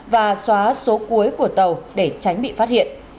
và xóa số cuối của tàu để tránh bị phát hiện